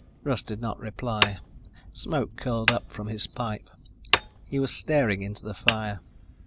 Russ did not reply. Smoke curled up from his pipe. He was staring into the fire.